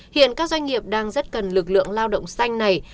hiện các doanh nghiệp đang rất cần lực lượng lao động xanh này